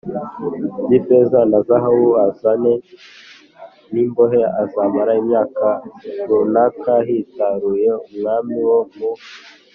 by ifeza na zahabu azane n imbohe Azamara imyaka runaka yitaruye umwami wo mu